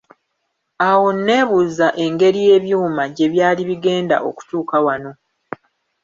Awo nneebuuza engeri ebyuma gye byali bigenda okutuuka wano